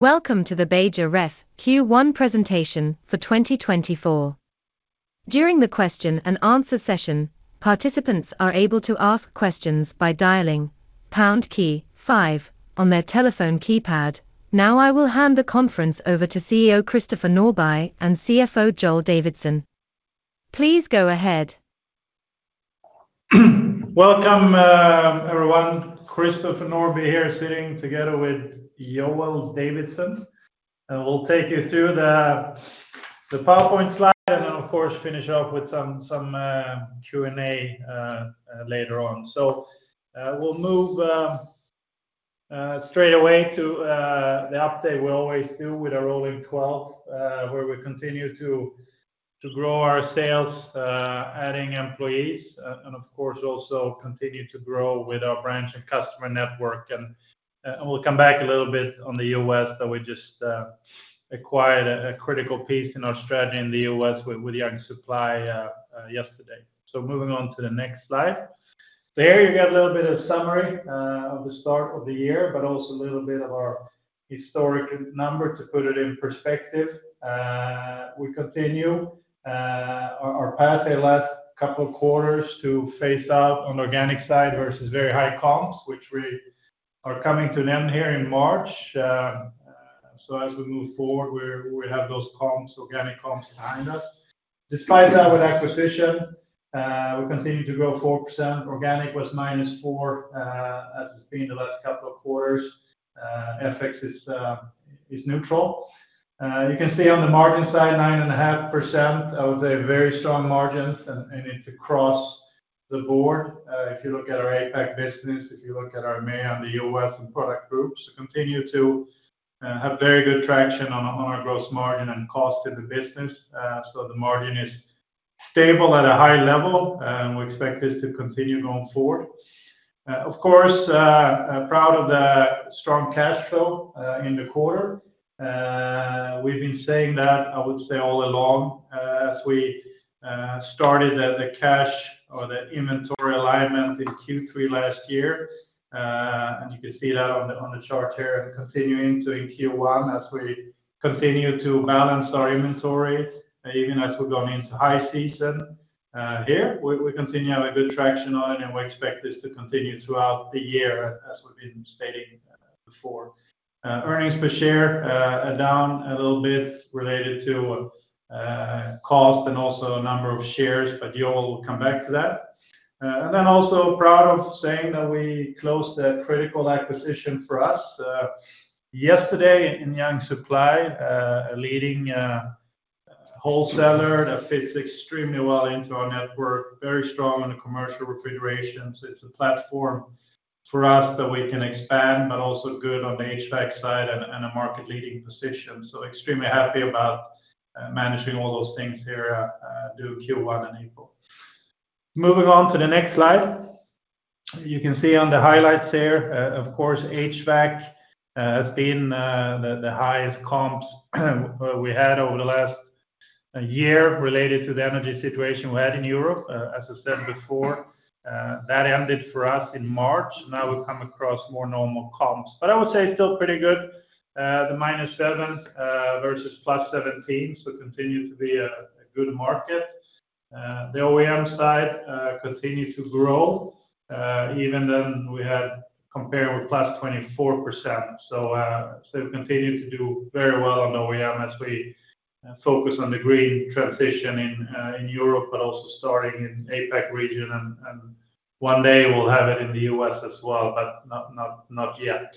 Welcome to the Beijer Ref Q1 presentation for 2024. During the question-and-answer session, participants are able to ask questions by dialing pound key 5 on their telephone keypad. Now I will hand the conference over to CEO Christopher Norbye and CFO Joel Davidsson. Please go ahead. Welcome, everyone. Christopher Norbye here sitting together with Joel Davidsson. We'll take you through the PowerPoint slide and then, of course, finish off with some Q&A later on. We'll move straight away to the update we always do with our rolling 12, where we continue to grow our sales, adding employees, and of course, also continue to grow with our branch and customer network. We'll come back a little bit on the U.S. that we just acquired a critical piece in our strategy in the U.S. with Young Supply yesterday. Moving on to the next slide. Here you get a little bit of summary of the start of the year, but also a little bit of our historic number to put it in perspective. We continue our path the last couple of quarters to phase out on the organic side versus very high comps, which we are coming to an end here in March. So, as we move forward, we have those organic comps behind us. Despite that, with acquisition, we continue to grow 4%. Organic was minus 4% as it's been the last couple of quarters. FX is neutral. You can see on the margin side, 9.5%. I would say very strong margins, and it's across the board. If you look at our APAC business, if you look at our EMEA on the U.S. and product groups, we continue to have very good traction on our gross margin and cost in the business. So, the margin is stable at a high level, and we expect this to continue going forward. Of course, proud of the strong cash flow in the quarter. We've been saying that, I would say, all along as we started the cash or the inventory alignment in Q3 last year. You can see that on the chart here. Continuing to in Q1 as we continue to balance our inventory, even as we've gone into high season. Here, we continue to have good traction on it, and we expect this to continue throughout the year as we've been stating before. Earnings per share are down a little bit related to cost and also a number of shares, but Joel will come back to that. Then also proud of saying that we closed a critical acquisition for us yesterday in Young Supply, a leading wholesaler that fits extremely well into our network, very strong on the commercial refrigeration. So, it's a platform for us that we can expand, but also good on the HVAC side and a market-leading position. So, extremely happy about managing all those things here through Q1 in April. Moving on to the next slide. You can see on the highlights here, of course, HVAC has been the highest comps we had over the last year related to the energy situation we had in Europe. As I said before, that ended for us in March. Now we come across more normal comps. But I would say still pretty good, the -7% versus +17%. So, continue to be a good market. The OEM side continued to grow, even then we had comparing with +24%. So, we continue to do very well on OEM as we focus on the green transition in Europe but also starting in APAC region. And one day, we'll have it in the U.S. as well, but not yet.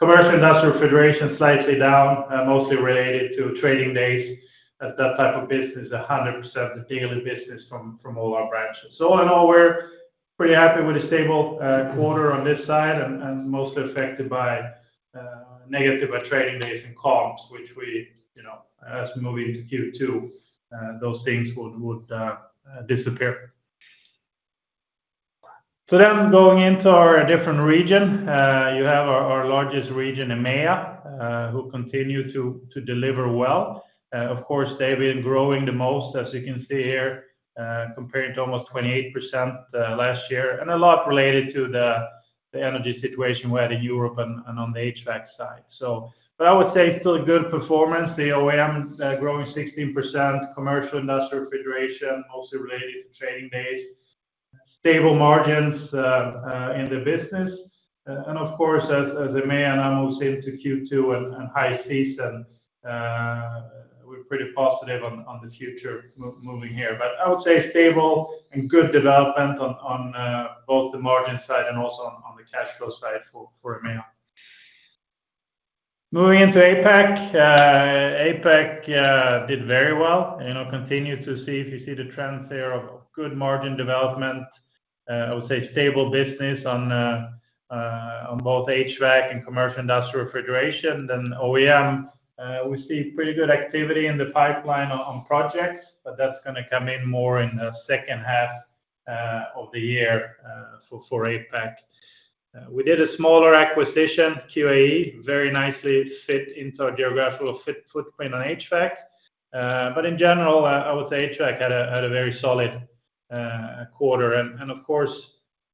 Commercial industrial refrigeration slightly down, mostly related to trading days. That type of business, 100% the daily business from all our branches. So, in all we're pretty happy with a stable quarter on this side and mostly affected by negative trading days and comps, which as we move into Q2, those things would disappear. To then going into our different region, you have our largest region, EMEA, who continue to deliver well. Of course, they've been growing the most, as you can see here, comparing to almost 28% last year and a lot related to the energy situation we had in Europe and on the HVAC side. But I would say still good performance. The OEMs are growing 16%, commercial industrial refrigeration, mostly related to trading days, stable margins in the business. And of course, as EMEA now moves into Q2 and high season, we're pretty positive on the future moving here. But I would say stable and good development on both the margin side and also on the cash flow side for EMEA. Moving into APAC, APAC did very well. Continue to see if you see the trends here of good margin development, I would say stable business on both HVAC and commercial industrial refrigeration. Then OEM, we see pretty good activity in the pipeline on projects, but that's going to come in more in the second half of the year for APAC. We did a smaller acquisition, QAE, very nicely fit into our geographical footprint on HVAC. But in general, I would say HVAC had a very solid quarter. And of course,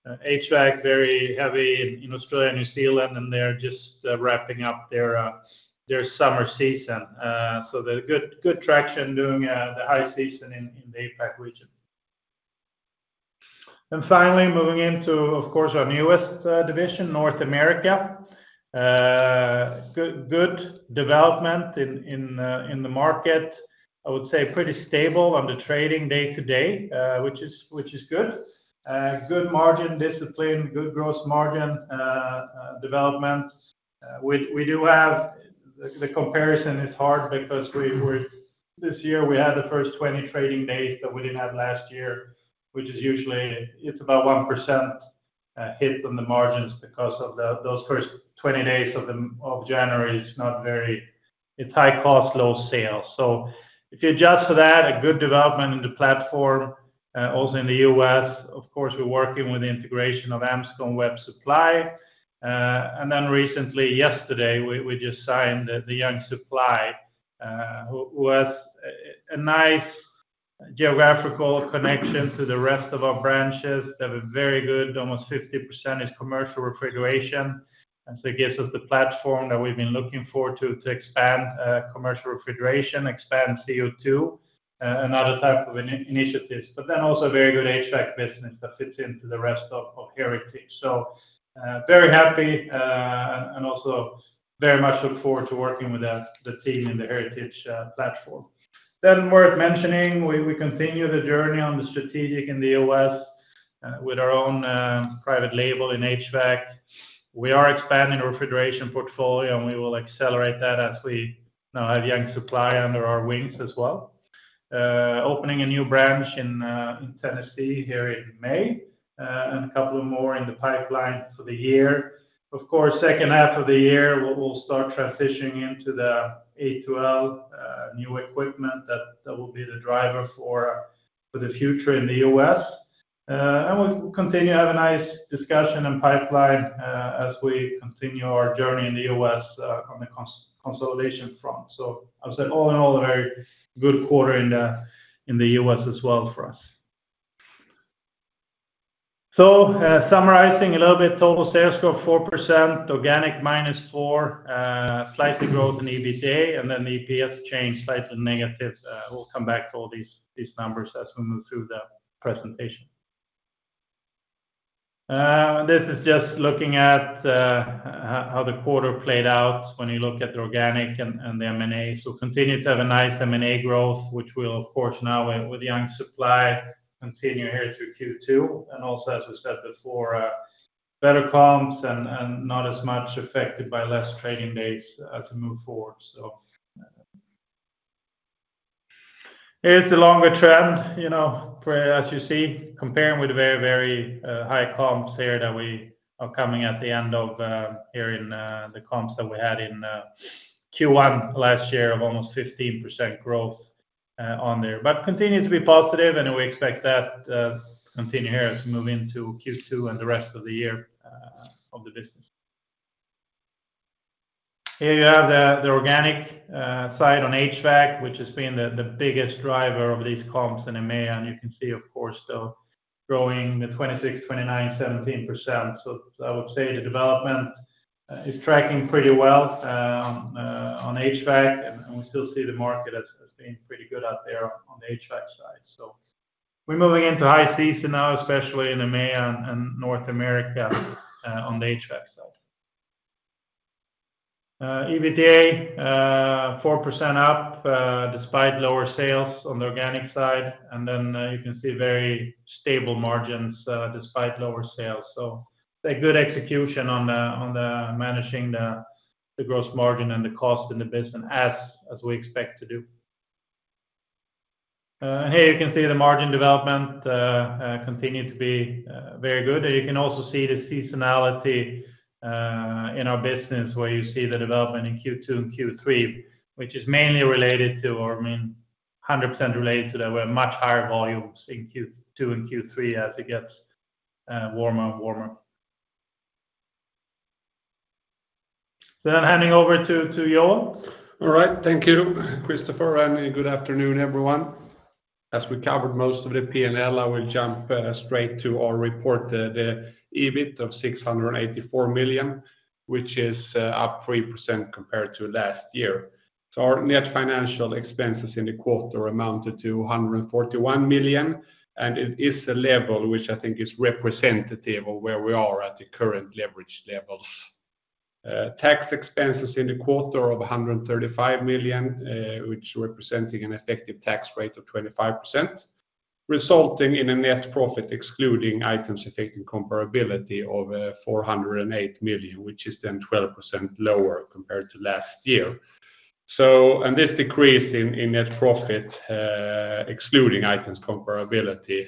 HVAC very heavy in Australia and New Zealand, and they're just wrapping up their summer season. So, they're [having] good traction doing the high season in the APAC region. And finally, moving into, of course, our newest division, North America. Good development in the market. I would say pretty stable on the trading day-to-day, which is good. Good margin discipline, good gross margin development. We do have the comparison is hard because this year, we had the first 20 trading days that we didn't have last year, which is usually it's about 1% hit on the margins because of those first 20 days of January. It's not very it's high cost, low sales. So, if you adjust for that, a good development in the platform. Also in the US, of course, we're working with the integration of Amsco Webb Supply. And then recently, yesterday, we just signed the Young Supply, who has a nice geographical connection to the rest of our branches. They have a very good almost 50% commercial refrigeration. So, it gives us the platform that we've been looking forward to, to expand commercial refrigeration, expand CO2, another type of initiatives. Then also a very good HVAC business that fits into the rest of Heritage. Very happy and also very much look forward to working with the team in the Heritage platform. Worth mentioning, we continue the journey on the strategic in the U.S. with our own private label in HVAC. We are expanding our refrigeration portfolio, and we will accelerate that as we now have Young Supply under our wings as well. Opening a new branch in Tennessee here in May and a couple of more in the pipeline for the year. Of course, second half of the year, we'll start transitioning into the A2L new equipment that will be the driver for the future in the U.S., we'll continue to have a nice discussion and pipeline as we continue our journey in the U.S. on the consolidation front. I would say all in all, a very good quarter in the U.S. as well for us. Summarizing a little bit, total sales growth 4%, organic -4%, slight growth in EBITDA, and then the EPS changed slightly negative. We'll come back to all these numbers as we move through the presentation. This is just looking at how the quarter played out when you look at the organic and the M&A. Continue to have a nice M&A growth, which will, of course, now with Young Supply, continue here through Q2. Also, as we said before, better comps and not as much affected by less trading days as we move forward, so. Here's the longer trend, as you see, comparing with very, very high comps here that we are coming at the end of here in the comps that we had in Q1 last year of almost 15% growth on there. But continue to be positive, and we expect that to continue here as we move into Q2 and the rest of the year of the business. Here you have the organic side on HVAC, which has been the biggest driver of these comps in EMEA. And you can see, of course, though, growing the 26%, 29%, 17%. So, I would say the development is tracking pretty well on HVAC, and we still see the market as being pretty good out there on the HVAC side. So, we're moving into high season now, especially in EMEA and North America on the HVAC side. EBITDA 4% up despite lower sales on the organic side. And then you can see very stable margins despite lower sales. So, a good execution on managing the gross margin and the cost in the business as we expect to do. And here you can see the margin development continue to be very good. And you can also see the seasonality in our business where you see the development in Q2 and Q3, which is mainly related to or, I mean, 100% related to that. We have much higher volumes in Q2 and Q3 as it gets warmer and warmer. So, then handing over to Joel. All right. Thank you, Christopher. And good afternoon, everyone. As we covered most of the P&L, I will jump straight to our report, the EBIT of 684 million, which is up 3% compared to last year. So, our net financial expenses in the quarter amounted to 141 million, and it is a level which I think is representative of where we are at the current leverage levels. Tax expenses in the quarter of 135 million, which are representing an effective tax rate of 25%, resulting in a net profit excluding items affecting comparability of 408 million, which is then 12% lower compared to last year. And this decrease in net profit excluding items comparability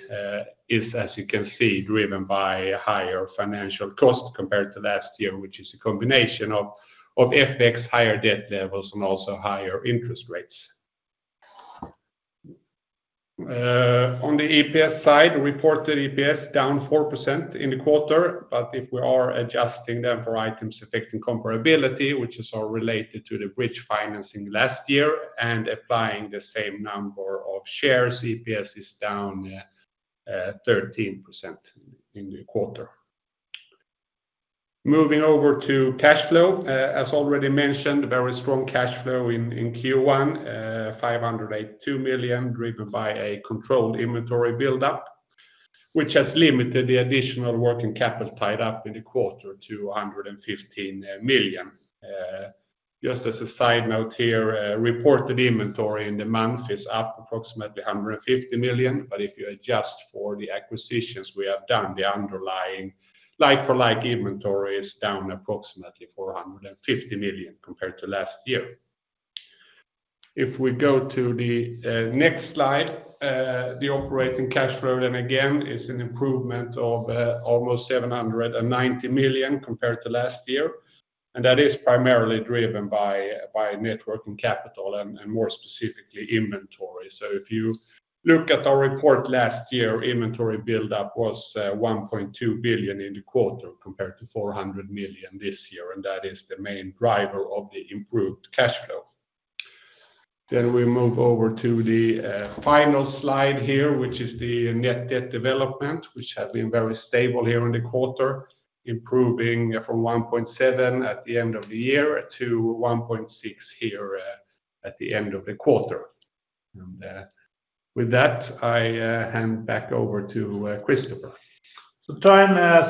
is, as you can see, driven by higher financial cost compared to last year, which is a combination of FX higher debt levels and also higher interest rates. On the EPS side, reported EPS down 4% in the quarter. But if we are adjusting them for items affecting comparability, which is all related to the bridge financing last year and applying the same number of shares, EPS is down 13% in the quarter. Moving over to cash flow, as already mentioned, very strong cash flow in Q1, 582 million driven by a controlled inventory buildup, which has limited the additional working capital tied up in the quarter to 115 million. Just as a side note here, reported inventory in the month is up approximately 150 million. But if you adjust for the acquisitions we have done, the underlying like-for-like inventory is down approximately 450 million compared to last year. If we go to the next slide, the operating cash flow then again is an improvement of almost 790 million compared to last year. That is primarily driven by net working capital and more specifically inventory. So if you look at our report last year, inventory buildup was 1.2 billion in the quarter compared to 400 million this year. That is the main driver of the improved cash flow. Then we move over to the final slide here, which is the net debt development, which has been very stable here in the quarter, improving from 1.7 at the end of the year to 1.6 here at the end of the quarter. With that, I hand back over to Christopher. So, to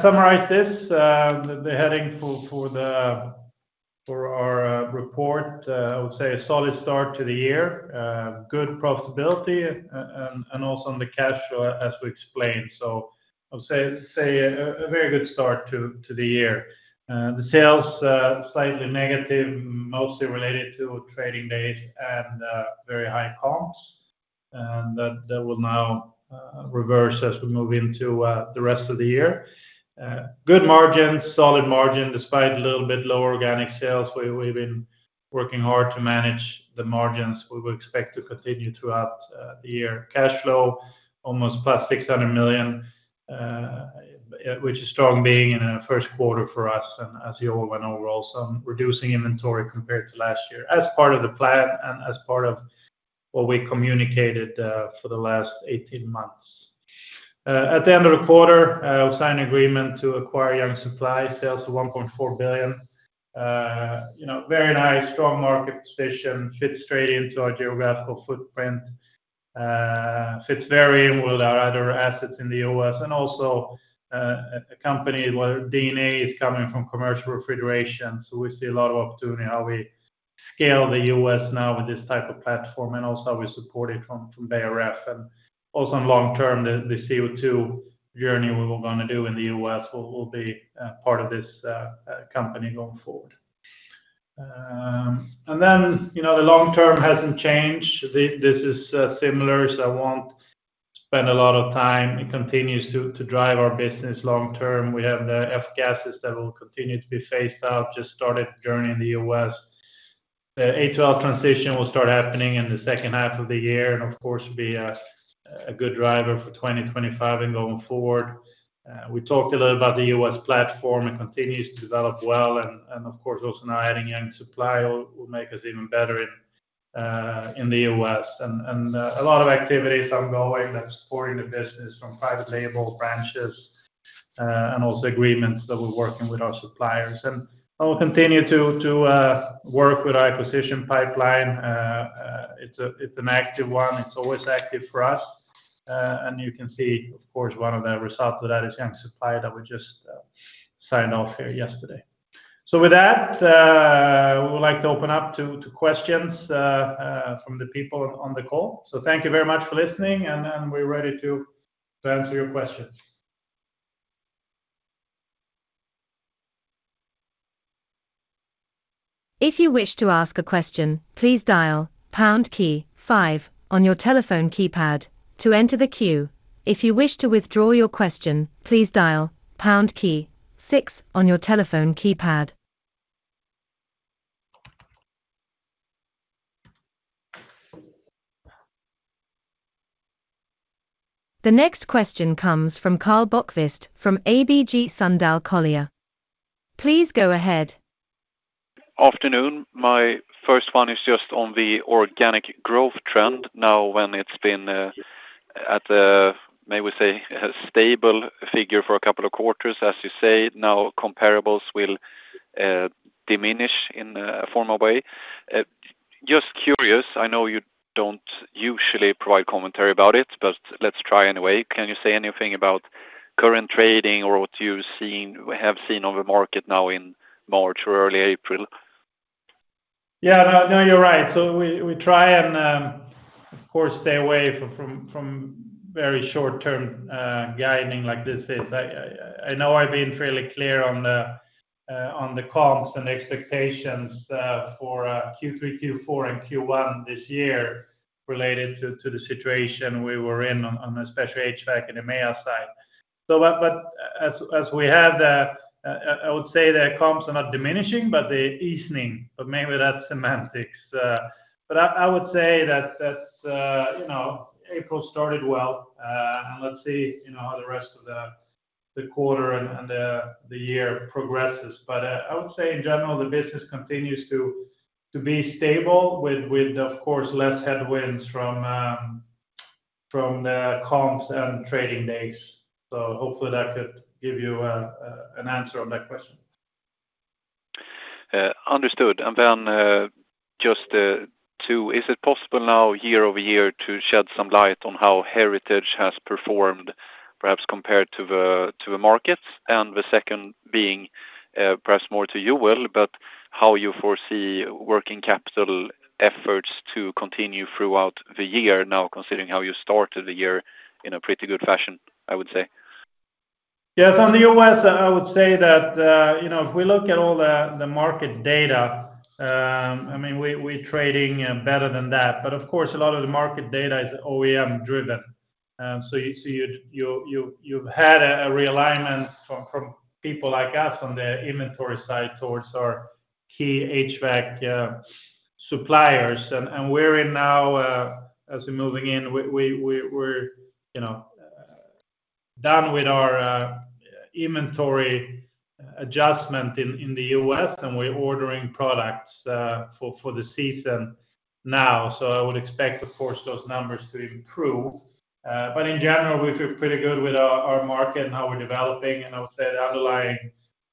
summarize this. The heading for our report, I would say, a solid start to the year, good profitability, and also on the cash flow, as we explained. So I would say a very good start to the year. The sales slightly negative, mostly related to trading days and very high comps. And that will now reverse as we move into the rest of the year. Good margins, solid margin despite a little bit lower organic sales. We've been working hard to manage the margins. We would expect to continue throughout the year. Cash flow almost +600 million, which is strong being in a first quarter for us, as Joel went over also, on reducing inventory compared to last year as part of the plan and as part of what we communicated for the last 18 months. At the end of the quarter, we signed agreement to acquire Young Supply, sales of 1.4 billion. Very nice, strong market position, fits straight into our geographical footprint, fits very well with our other assets in the U.S., and also a company where DNA is coming from commercial refrigeration. So, we see a lot of opportunity how we scale the U.S. now with this type of platform and also how we support it from Beijer Ref. And also on long term, the CO2 journey we were going to do in the U.S. will be part of this company going forward. And then the long term hasn't changed. This is similar. So, I won't spend a lot of time. It continues to drive our business long term. We have the F gases that will continue to be phased out, just started journey in the U.S. The A2L transition will start happening in the second half of the year and, of course, be a good driver for 2025 and going forward. We talked a little about the U.S. platform. It continues to develop well. Of course, also now adding Young Supply will make us even better in the U.S. A lot of activities ongoing that's supporting the business from private label branches and also agreements that we're working with our suppliers. I will continue to work with our acquisition pipeline. It's an active one. It's always active for us. You can see, of course, one of the results of that is Young Supply that we just signed off here yesterday. With that, we would like to open up to questions from the people on the call. Thank you very much for listening, and we're ready to answer your questions. If you wish to ask a question, please dial # 5 on your telephone keypad to enter the queue. If you wish to withdraw your question, please dial # 6 on your telephone keypad. The next question comes from Karl Bokvist from ABG Sundal Collier. Please go ahead. Afternoon. My first one is just on the organic growth trend. Now, when it's been at the, may we say, stable figure for a couple of quarters, as you say, now comparables will diminish in a formal way. Just curious, I know you don't usually provide commentary about it, but let's try anyway. Can you say anything about current trading or what you have seen on the market now in March or early April? Yeah. No, you're right. So we try and, of course, stay away from very short-term guiding like this is. I know I've been fairly clear on the comps and expectations for Q3, Q4, and Q1 this year related to the situation we were in on especially HVAC and EMEA side. But as we have, I would say the comps are not diminishing, but they're easing. But maybe that's semantics. But I would say that April started well. And let's see how the rest of the quarter and the year progresses. But I would say, in general, the business continues to be stable with, of course, less headwinds from the comps and trading days. So hopefully, that could give you an answer on that question. Understood. Then just two, is it possible now year-over-year to shed some light on how Heritage has performed, perhaps compared to the markets? The second being, perhaps more to Joel, but how you foresee working capital efforts to continue throughout the year now considering how you started the year in a pretty good fashion, I would say? Yes. On the U.S., I would say that if we look at all the market data, I mean, we're trading better than that. But of course, a lot of the market data is OEM-driven. So, you've had a realignment from people like us on the inventory side towards our key HVAC suppliers. And we're in now, as we're moving in, we're done with our inventory adjustment in the U.S., and we're ordering products for the season now. So, I would expect, of course, those numbers to improve. But in general, we feel pretty good with our market and how we're developing. And I would say the underlying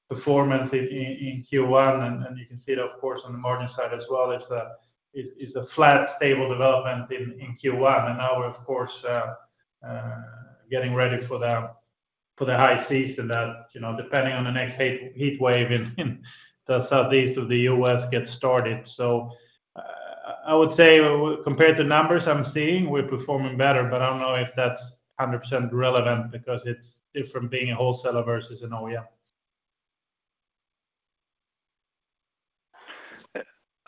performance in Q1, and you can see it, of course, on the margin side as well, is a flat, stable development in Q1. Now we're, of course, getting ready for the high season that, depending on the next heat wave in the southeast of the U.S., gets started. I would say compared to numbers I'm seeing, we're performing better. I don't know if that's 100% relevant because it's different being a wholesaler versus an OEM.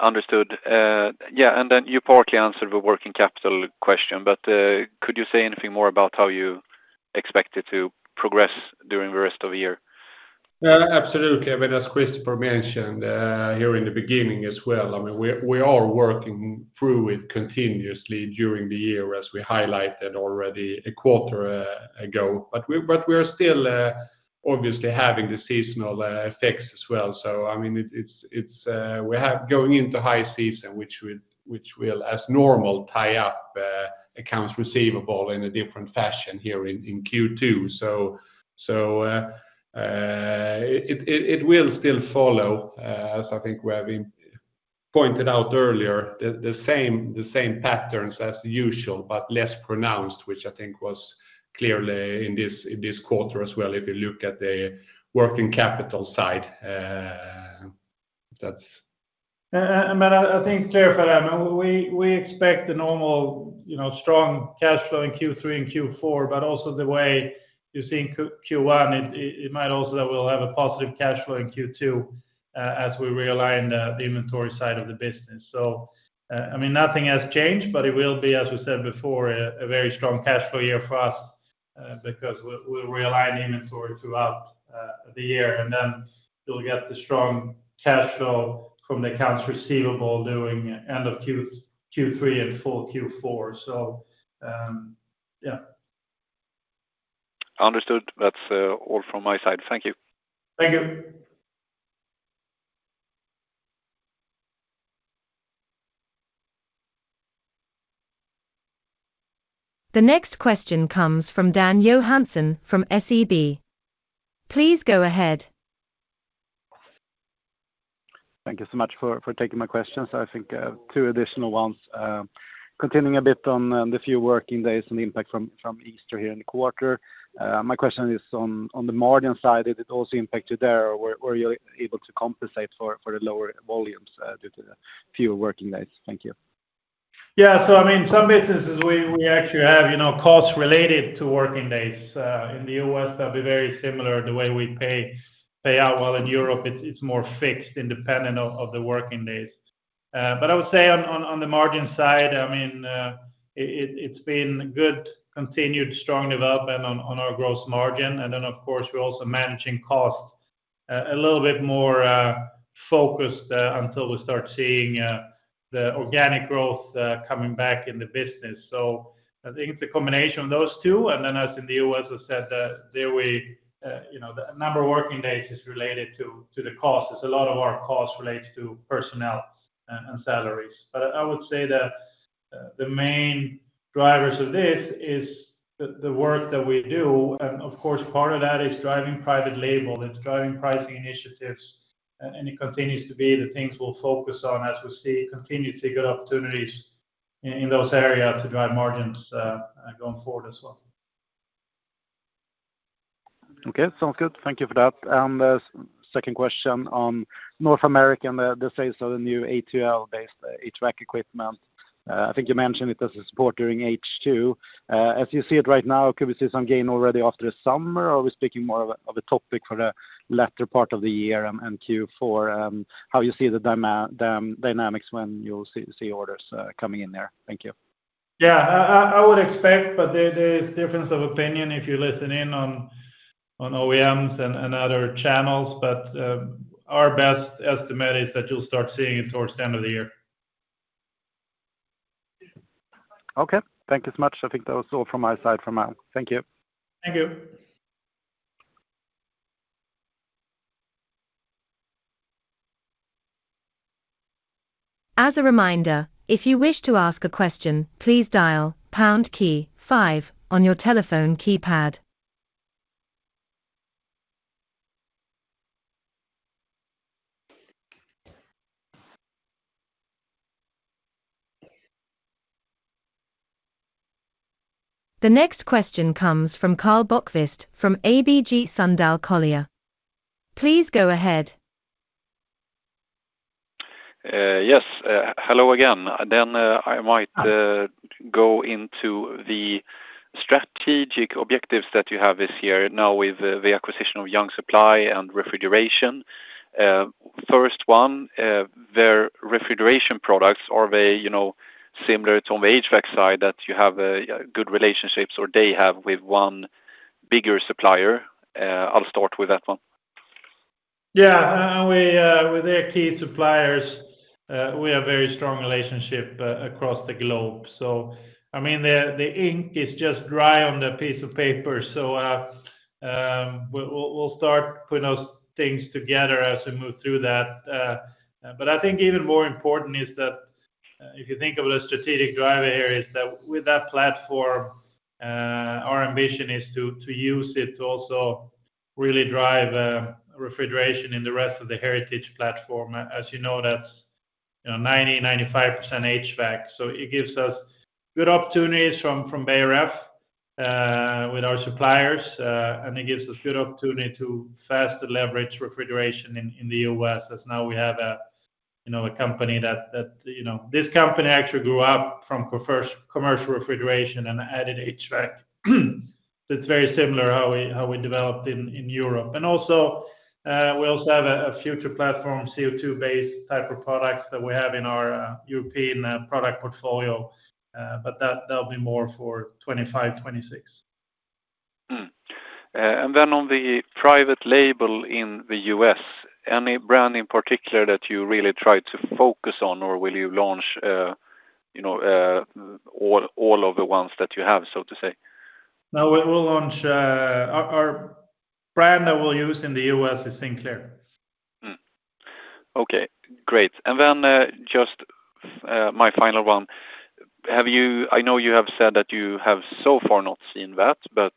Understood. Yeah. And then you partly answered the working capital question. But could you say anything more about how you expect it to progress during the rest of the year? Yeah, absolutely. I mean, as Christopher mentioned here in the beginning as well, I mean, we are working through it continuously during the year as we highlighted already a quarter ago. But we are still obviously having the seasonal effects as well. So, I mean, we're going into high season, which will, as normal, tie up accounts receivable in a different fashion here in Q2. So, it will still follow, as I think we have pointed out earlier, the same patterns as usual but less pronounced, which I think was clearly in this quarter as well if you look at the working capital side. And then I think clarify that. I mean, we expect the normal strong cash flow in Q3 and Q4, but also the way you see in Q1, it might also that we'll have a positive cash flow in Q2 as we realign the inventory side of the business. So I mean, nothing has changed, but it will be, as we said before, a very strong cash flow year for us because we'll realign the inventory throughout the year. And then you'll get the strong cash flow from the accounts receivable doing end of Q3 and full Q4. So, yeah. Understood. That's all from my side. Thank you. Thank you. The next question comes from Dan Johansson from SEB. Please go ahead. Thank you so much for taking my questions. I think two additional ones. Continuing a bit on the few working days and the impact from Easter here in the quarter, my question is on the margin side. Did it also impact you there? Were you able to compensate for the lower volumes due to the fewer working days? Thank you. Yeah. So I mean, some businesses, we actually have costs related to working days. In the U.S., that'd be very similar the way we pay out. While in Europe, it's more fixed, independent of the working days. But I would say on the margin side, I mean, it's been good continued strong development on our gross margin. And then, of course, we're also managing costs a little bit more focused until we start seeing the organic growth coming back in the business. So, I think it's a combination of those two. And then, as I said in the U.S., there, the number of working days is related to the costs. A lot of our costs relate to personnel and salaries. But I would say the main drivers of this is the work that we do. And of course, part of that is driving private label. It's driving pricing initiatives. It continues to be the things we'll focus on as we see continued to get opportunities in those areas to drive margins going forward as well. Okay. Sounds good. Thank you for that. And second question on North America and the sales of the new A2L-based HVAC equipment. I think you mentioned it as a support during H2. As you see it right now, could we see some gain already after the summer, or are we speaking more of a topic for the latter part of the year and Q4, and how you see the dynamics when you see orders coming in there? Thank you. Yeah. I would expect, but there's difference of opinion if you listen in on OEMs and other channels. But our best estimate is that you'll start seeing it towards the end of the year. Okay. Thank you so much. I think that was all from my side for now. Thank you. Thank you. As a reminder, if you wish to ask a question, please dial # 5 on your telephone keypad. The next question comes from Karl Bokvist from ABG Sundal Collier. Please go ahead. Yes. Hello again. I might go into the strategic objectives that you have this year now with the acquisition of Young Supply and refrigeration. First one, their refrigeration products, are they similar to on the HVAC side that you have good relationships or they have with one bigger supplier? I'll start with that one. Yeah. And with their key suppliers, we have very strong relationships across the globe. So I mean, the ink is just dry on the piece of paper. So, we'll start putting those things together as we move through that. But I think even more important is that if you think of the strategic driver here, is that with that platform, our ambition is to use it to also really drive refrigeration in the rest of the Heritage platform. As you know, that's 90%-95% HVAC. So, it gives us good opportunities from Beijer Ref with our suppliers. And it gives us good opportunity to faster leverage refrigeration in the U.S. as now we have a company that this company actually grew up from commercial refrigeration and added HVAC. So, it's very similar how we developed in Europe. We also have a future platform, CO2-based type of products that we have in our European product portfolio. That'll be more for 2025, 2026. And then on the private label in the U.S., any brand in particular that you really try to focus on, or will you launch all of the ones that you have, so to say? No, we'll launch our brand that we'll use in the U.S. is Sinclair. Okay. Great. Then just my final one, I know you have said that you have so far not seen that. But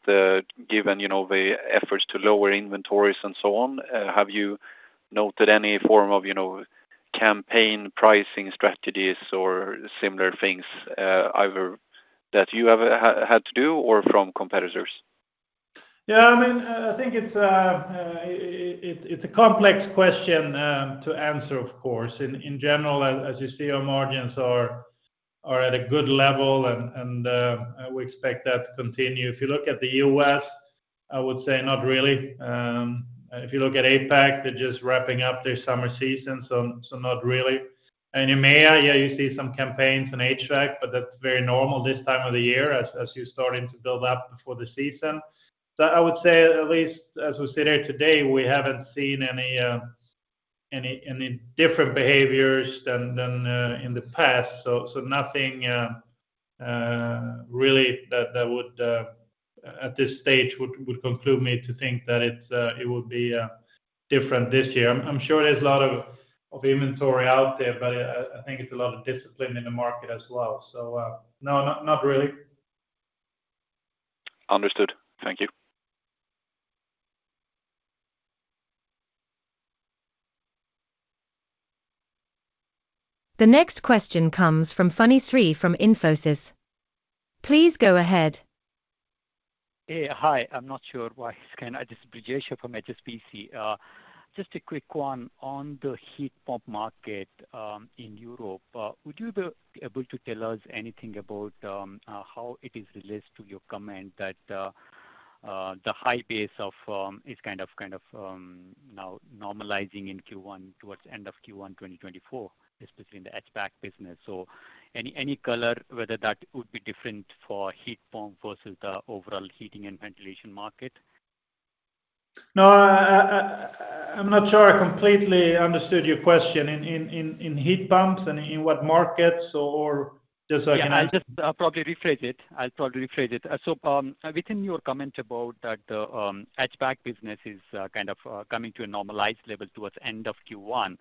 given the efforts to lower inventories and so on, have you noted any form of campaign pricing strategies or similar things either that you have had to do or from competitors? Yeah. I mean, I think it's a complex question to answer, of course. In general, as you see, our margins are at a good level, and we expect that to continue. If you look at the U.S., I will say not really. If you look at APAC, they're just wrapping up their summer season, so not really. And EMEA, yeah, you see some campaigns in HVAC, but that's very normal this time of the year as you're starting to build up before the season. So, I would say at least as we sit here today, we haven't seen any different behaviors than in the past. So, nothing really that would, at this stage, would conclude me to think that it would be different this year. I'm sure there's a lot of inventory out there, but I think it's a lot of discipline in the market as well. No, not really. Understood. Thank you. The next question comes from Brijesh Siya from HSBC. Please go ahead. Hi. I'm not sure why it's scanning. This is Brijesh Siya from HSBC. Just a quick one. On the heat pump market in Europe, would you be able to tell us anything about how it is related to your comment that the high base is kind of now normalizing in Q1 towards end of Q1 2024, especially in the HVAC business? So any color, whether that would be different for heat pump versus the overall heating and ventilation market? No. I'm not sure I completely understood your question in heat pumps and in what markets, or just so I can. Yeah. I'll probably rephrase it. I'll probably rephrase it. So within your comment about that the HVAC business is kind of coming to a normalized level towards end of Q1,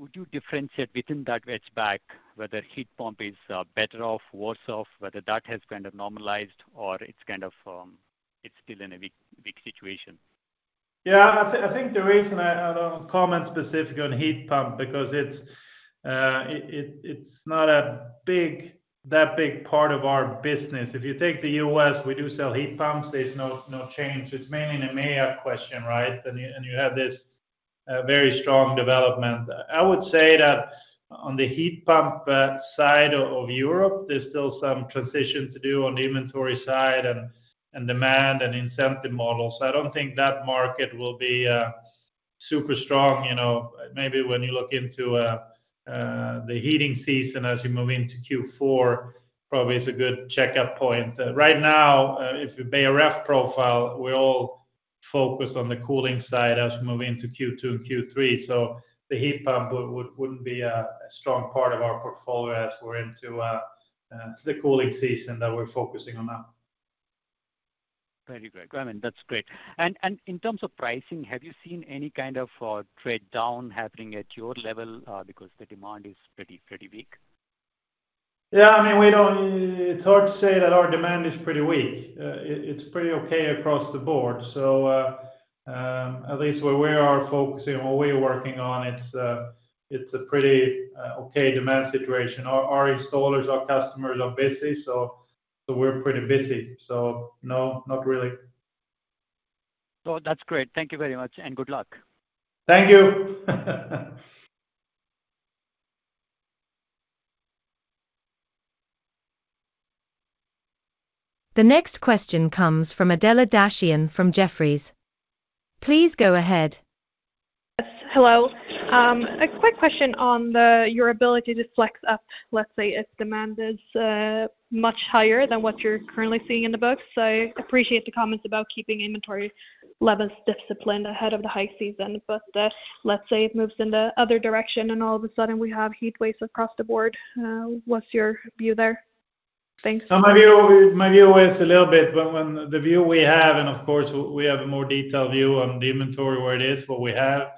would you differentiate within that HVAC whether heat pump is better off, worse off, whether that has kind of normalized, or it's still in a weak situation? Yeah. I think the reason I don't comment specifically on heat pump because it's not that big part of our business. If you take the U.S., we do sell heat pumps. There's no change. It's mainly an EMEA question, right? And you have this very strong development. I would say that on the heat pump side of Europe, there's still some transition to do on the inventory side and demand and incentive models. I don't think that market will be super strong. Maybe when you look into the heating season as you move into Q4, probably is a good checkup point. Right now, if you're Beijer Ref profile, we're all focused on the cooling side as we move into Q2 and Q3. So, the heat pump wouldn't be a strong part of our portfolio as we're into the cooling season that we're focusing on now. Very good. I mean, that's great. And in terms of pricing, have you seen any kind of trade down happening at your level because the demand is pretty weak? Yeah. I mean, it's hard to say that our demand is pretty weak. It's pretty okay across the board. So, at least where we are focusing on, where we are working on, it's a pretty okay demand situation. Our installers, our customers are busy, so we're pretty busy. So no, not really. So that's great. Thank you very much, and good luck. Thank you. The next question comes from Adela Dashian from Jefferies. Please go ahead. Yes. Hello. A quick question on your ability to flex up, let's say, if demand is much higher than what you're currently seeing in the books. I appreciate the comments about keeping inventory levels disciplined ahead of the high season. But let's say it moves in the other direction, and all of a sudden, we have a heat wave across the board. What's your view there? Thanks. My view is a little bit when the view we have, and of course, we have a more detailed view on the inventory, where it is, what we have.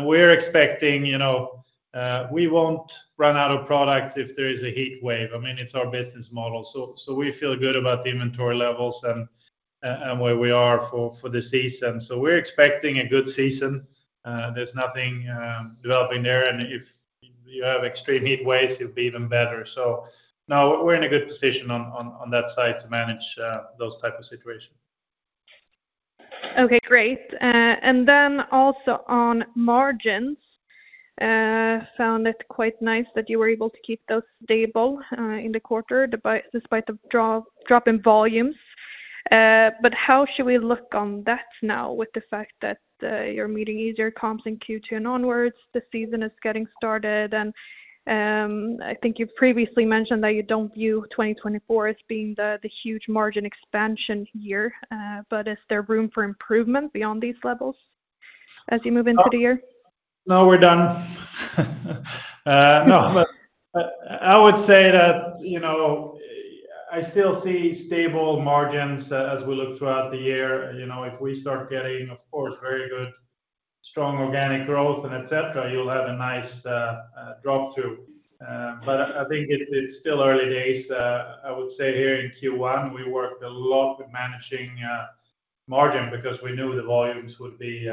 We're expecting we won't run out of products if there is a heat wave. I mean, it's our business model. So, we feel good about the inventory levels and where we are for the season. We're expecting a good season. There's nothing developing there. If you have extreme heat waves, it'll be even better. So no, we're in a good position on that side to manage those type of situations. Okay. Great. And then also on margins, found it quite nice that you were able to keep those stable in the quarter despite the drop in volumes. But how should we look on that now with the fact that you're meeting easier comps in Q2 and onwards? The season is getting started. I think you previously mentioned that you don't view 2024 as being the huge margin expansion year. But is there room for improvement beyond these levels as you move into the year? No, we're done. No, but I would say that I still see stable margins as we look throughout the year. If we start getting, of course, very good strong organic growth, etc., you'll have a nice drop through. But I think it's still early days. I would say here in Q1, we worked a lot with managing margin because we knew the volumes would be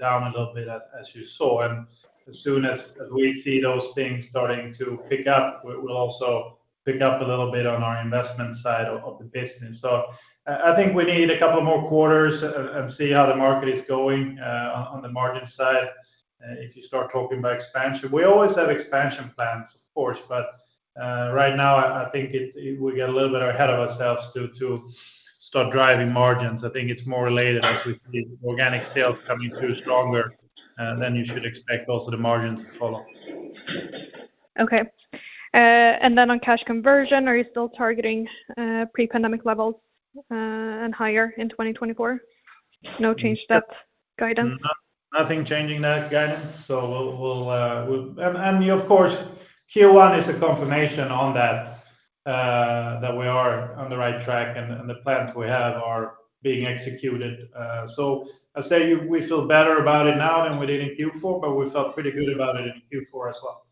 down a little bit, as you saw. And as soon as we see those things starting to pick up, we'll also pick up a little bit on our investment side of the business. So, I think we need a couple more quarters and see how the market is going on the margin side if you start talking about expansion. We always have expansion plans, of course. But right now, I think we get a little bit ahead of ourselves to start driving margins. I think it's more related as we see organic sales coming through stronger than you should expect, also the margins to follow. Okay. And then on cash conversion, are you still targeting pre-pandemic levels and higher in 2024? No change to that guidance? Nothing changing that guidance. So, well, and of course, Q1 is a confirmation on that, that we are on the right track and the plans we have are being executed. So, I say we feel better about it now than we did in Q4, but we felt pretty good about it in Q4 as well.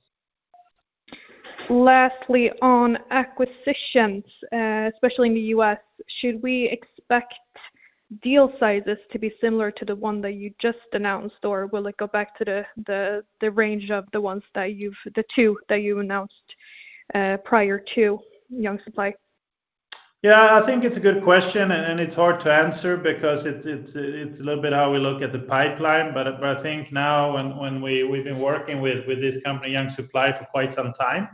Lastly, on acquisitions, especially in the U.S., should we expect deal sizes to be similar to the one that you just announced, or will it go back to the range of the two that you announced prior to Young Supply? Yeah. I think it's a good question, and it's hard to answer because it's a little bit how we look at the pipeline. But I think now when we've been working with this company, Young Supply, for quite some time.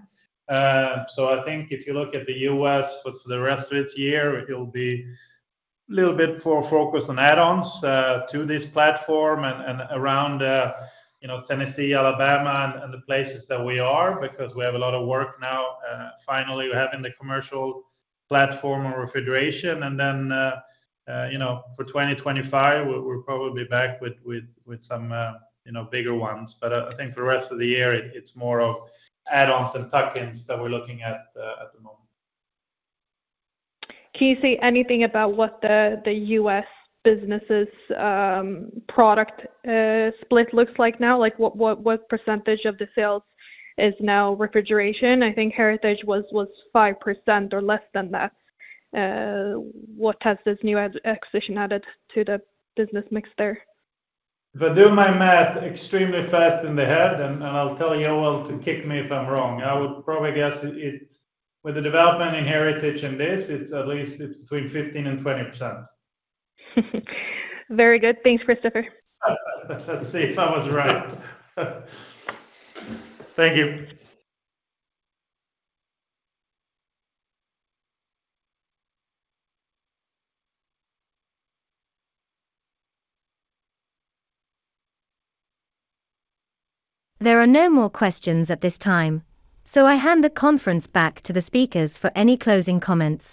So, I think if you look at the U.S. for the rest of its year, it'll be a little bit more focused on add-ons to this platform and around Tennessee, Alabama, and the places that we are because we have a lot of work now. Finally, we're having the commercial platform on refrigeration. And then for 2025, we'll probably be back with some bigger ones. But I think for the rest of the year, it's more of add-ons and tuck-ins that we're looking at at the moment. Can you say anything about what the U.S. business's product split looks like now? What percentage of the sales is now refrigeration? I think Heritage was 5% or less than that. What has this new acquisition added to the business mix there? If I do my math extremely fast in the head, and I'll tell Joel to kick me if I'm wrong, I would probably guess with the development in Heritage and this, at least it's between 15% and 20%. Very good. Thanks, Christopher. Let's see if I was right. Thank you. There are no more questions at this time, so I hand the conference back to the speakers for any closing comments.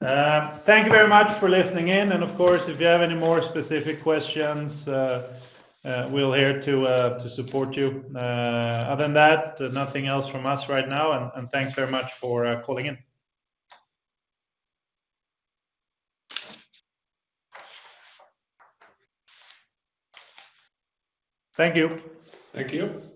Thank you very much for listening in. Of course, if you have any more specific questions, we're here to support you. Other than that, nothing else from us right now. Thanks very much for calling in. Thank you. Thank you.